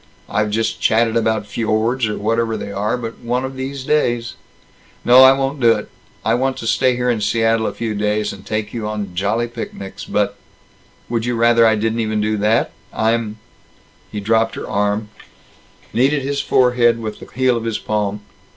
I've just chatted about fjords, or whatever they are, but one of these days No. I won't do it. I want to stay here in Seattle a few days, and take you on jolly picnics, but Would you rather I didn't even do that? I'm " He dropped her arm, kneaded his forehead with the heel of his palm.